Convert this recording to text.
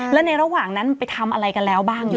แล้วในระหว่างนั้นไปทำอะไรกันแล้วบ้างอยู่